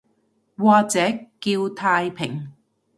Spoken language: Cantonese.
或者叫太平